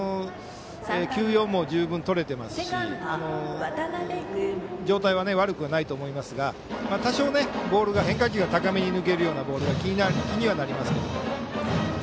休養も十分取れていますし状態は悪くないと思いますし多少、変化球高めに抜けるようなボールが気にはなりますけど。